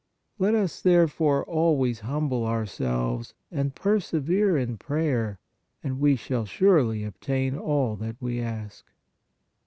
Let us, therefore, always humble ourselves and persevere in prayer and we shall surely obtain all that we ask.